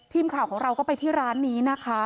ทีมข่าวของเราก็ไปที่ร้านนี้นะคะ